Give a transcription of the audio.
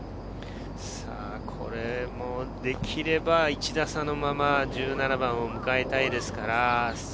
これもできれば１打差のまま１７番を迎えたいですから。